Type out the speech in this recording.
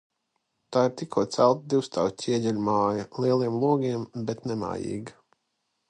Tā ir tikko celta divstāvu ķieģeļu māja, lieliem logiem, bet nemājīga.